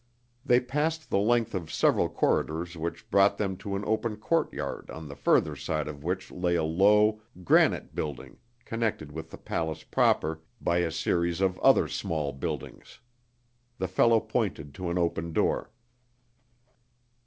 They passed the length of several corridors which brought them to an open courtyard on the further side of which lay a low, granite building connected with the palace proper by a series of other small buildings. The fellow pointed to an open door.